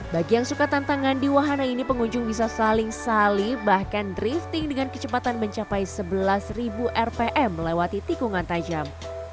bagi yang suka tantangan di wahana ini pengunjung bisa saling sali bahkan drifting dengan kecepatan mencapai sebelas rpm melewati tikungan tajam